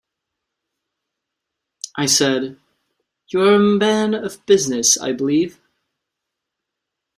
I said, 'You are a man of business, I believe?'